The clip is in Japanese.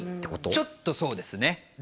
ちょっとそうですね誰？